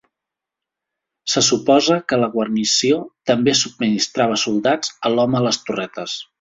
Se suposa que la guarnició també subministrava soldats a l'home a les torretes.